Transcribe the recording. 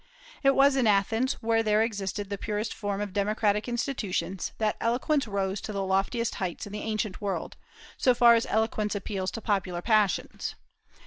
It was in Athens, where there existed the purest form of democratic institutions, that eloquence rose to the loftiest heights in the ancient world, so far as eloquence appeals to popular passions.